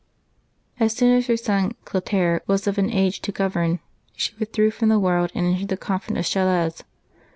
As soon as her son Clotaire was of an age to govern, she withdrew from the world and entered the convent of Chelles.